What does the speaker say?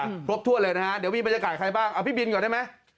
ครบถ้วนเลยนะฮะเดี๋ยวมีบรรยากาศใครบ้างเอาพี่บินก่อนได้ไหม